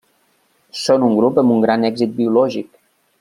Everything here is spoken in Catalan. Són un grup amb un gran èxit biològic.